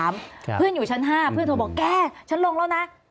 เพื่อนอยู่ชั้นห้าเพื่อนโทรบอกแกฉันลงแล้วนะ